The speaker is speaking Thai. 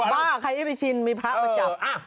ว่าใครที่ไปชินมีพระมาจับ